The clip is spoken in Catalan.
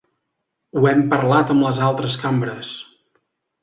Ho hem parlat amb les altres cambres.